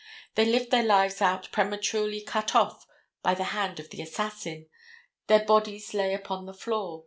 They lived their lives out prematurely cut off by the hand of the assassin: their bodies lay upon the floor.